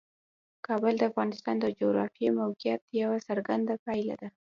کابل د افغانستان د جغرافیایي موقیعت یوه څرګنده پایله ده.